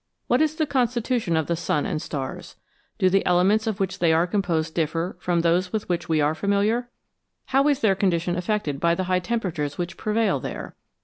What is the constitution of the sun and stars ? Do the elements of which they are composed differ from those with which we are familiar? How is their condition affected by the high temperatures which prevail there